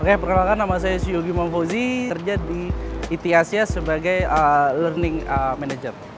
saya perkenalkan nama saya syugi mompozi kerja di it asia sebagai learning manager